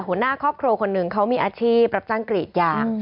หัวหน้าครอบครัวคนหนึ่งเขามีอาชีพรับจ้างกรีดยาง